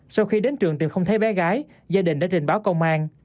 sau khi đến trường thì không thấy bé gái gia đình đã trình báo công an